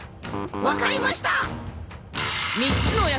わかりました！